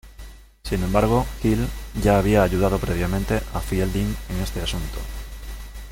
Sin embargo, Hill ya había ayudado previamente a Fielding en este asunto.